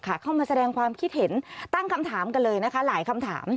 เข้ามาแสดงความคิดเห็นตั้งคำถามกันเลยนะคะหลายคำถาม